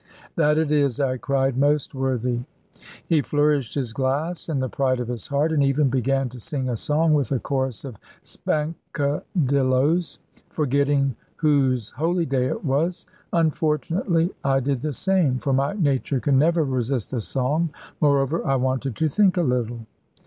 "That it is," I cried; "most worthy!" He flourished his glass in the pride of his heart, and even began to sing a song with a chorus of "Spankadilloes," forgetting whose holy day it was. Unfortunately I did the same; for my nature can never resist a song: moreover I wanted to think a little.